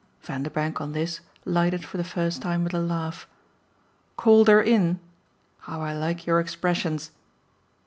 Vanderbank, on this, lighted for the first time with a laugh. "'Called her in'? How I like your expressions!"